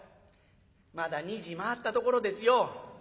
「まだ２時回ったところですよ」。